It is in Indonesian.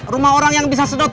dulu gak agassi